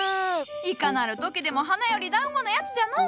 いかなる時でも花より団子なやつじゃのお！